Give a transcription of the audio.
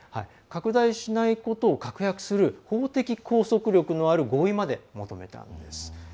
拡大しないことを確約する法的拘束力のある合意まで求めたんです。